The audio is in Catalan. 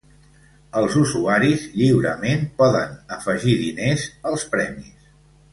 Els usuaris lliurement poden afegir diners als premis.